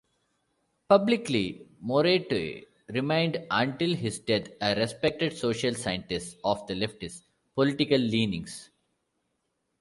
Publicly, Morote remained until his death a respected social scientist of leftist political leanings.